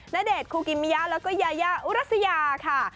ณเดชนคูกิมิยะแล้วก็ยายาอุรัสยาค่ะ